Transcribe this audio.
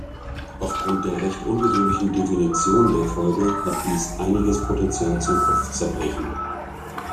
Auf Grund der recht ungewöhnlichen Definition der Folge hat dies einiges Potential zum Kopfzerbrechen.